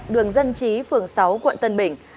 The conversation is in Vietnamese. đường dân chí phường sáu quận tân bình